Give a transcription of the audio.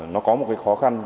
nó có một cái khó khăn